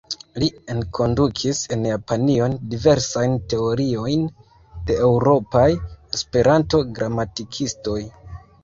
Li enkondukis en Japanion diversajn teoriojn de eŭropaj Esperanto-gramatikistoj.